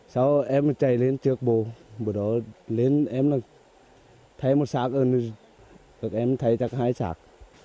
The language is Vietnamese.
sau em chạy lên trước bố bữa đó lên em là thấy một sát em thấy chắc hai sát